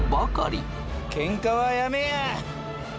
ケンカはやめや！